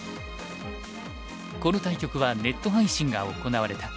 この対局はネット配信が行われた。